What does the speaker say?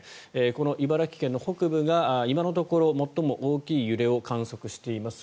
この茨城県の北部が今のところ最も大きな揺れを観測しています。